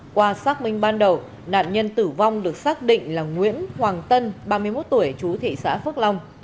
qua xác minh ban đầu nạn nhân tử vong được xác định là nguyễn hoàng tân ba mươi một tuổi chú thị xã phước long